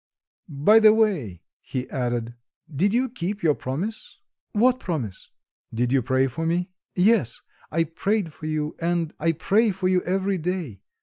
By the way," he added, "did you keep your promise?" "What promise?" "Did you pray for me?" "Yes, I prayed for you, and I pray for you every day.